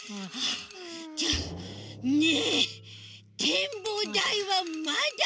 ちょねえてんぼうだいはまだ？